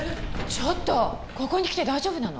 ちょっとここに来て大丈夫なの？